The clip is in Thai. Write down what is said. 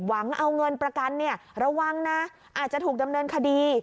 หวังเอาเงินประกันเนี่ยระวังนะอาจจะถูกดำเนินคดี